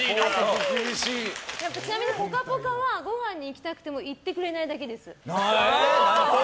ちなみに「ぽかぽか」はごはんに行きたくても行ってくれないだけです。